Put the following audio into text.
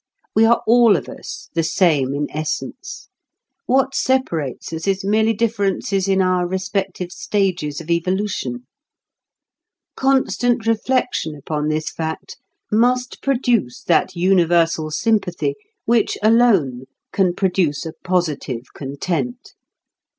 We are all of us the same in essence; what separates us is merely differences in our respective stages of evolution. Constant reflection upon this fact must produce that universal sympathy which alone can produce a positive content.